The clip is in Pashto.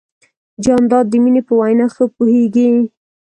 جانداد د مینې په وینا ښه پوهېږي.